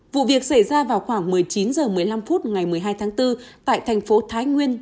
vụ việc xảy ra vào khoảng một mươi chín h một mươi năm phút ngày một mươi hai tháng bốn tại thành phố thái nguyên